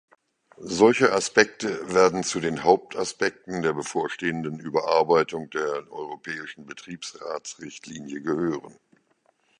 Solche Aspekte werden zu den Hauptaspekten der bevorstehenden Überarbeitung der Europäischen Betriebsratsrichtlinie gehören.